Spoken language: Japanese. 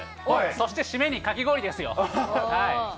そして締めにかき氷ですよ。